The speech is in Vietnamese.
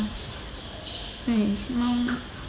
thế thì xong